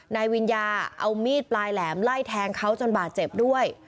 นายวิญญาเอามีดปลายแหลมไล่แทงเขาจนบาดเจ็บด้วย